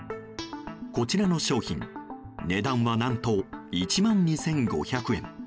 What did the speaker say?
こちらの商品値段は何と１万２５００円。